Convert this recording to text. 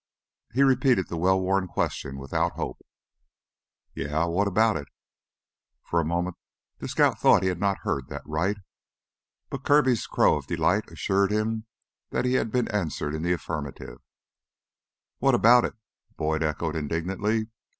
He repeated the well worn question without hope. "Yeah, what about it?" For a moment the scout thought he had not heard that right. But Kirby's crow of delight assured him that he had been answered in the affirmative. "What about it?" Boyd echoed indignantly.